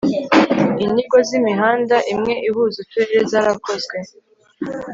inyigo z'imihanda imwe ihuza uturere zarakozwe